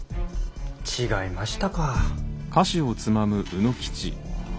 違いましたか。